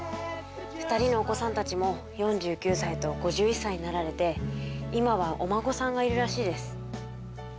２人のお子さんたちも４９歳と５１歳になられて今はお孫さんがいるらしいです。